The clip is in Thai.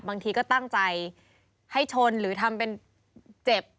บางทีก็ตั้งใจให้ชนหรือทำเป็นเจ็บ